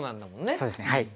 そうですねはい。